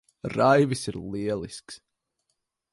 Raivis ir lielisks.